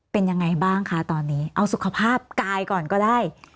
เป็นยังไงบ้างคะตอนนี้เอาสุขภาพกายก่อนก็ได้